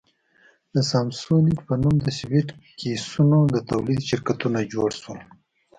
د سامسونیټ په نوم د سویټ کېسونو د تولید شرکتونه جوړ شول.